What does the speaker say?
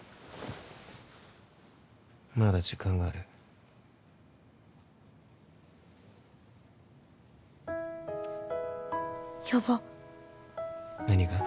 まだ時間があるヤバッ何が？